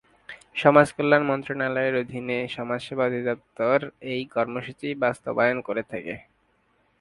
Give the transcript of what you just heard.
সমাজকল্যাণ মন্ত্রণালয়ের অধীনে সমাজসেবা অধিদফতর এই কর্মসূচি বাস্তবায়ন করে থাকে।